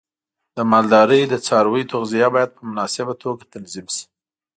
د مالدارۍ د څارویو تغذیه باید په مناسبه توګه تنظیم شي.